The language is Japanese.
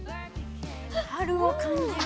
春を感じる。